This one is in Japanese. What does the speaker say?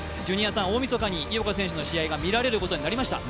大みそかに井岡選手の試合が見られることになりました。